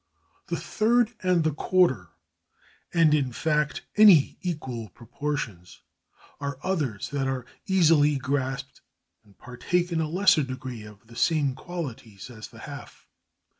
The third and the quarter, and in fact any equal proportions, are others that are easily grasped and partake in a lesser degree of the same qualities as the half.